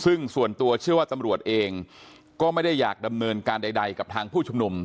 ซึ่งส่วนตัวเชื่อว่าตำรวจเองก็ไม่ได้อยากดำเนินการใดกับทางผู้ชุมนุม